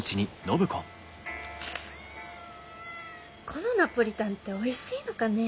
このナポリタンっておいしいのかねぇ。